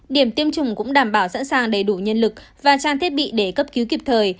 điểm tiêm chủng cũng đảm bảo sẵn sàng đầy đủ nhân lực và trang thiết bị để cấp cứu kịp thời